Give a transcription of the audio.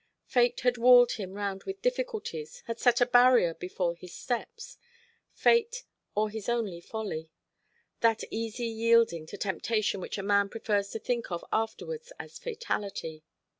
Fate had walled him round with difficulties, had set a barrier before his steps: Fate or his only folly, that easy yielding to temptation which a man prefers to think of afterwards as fatality.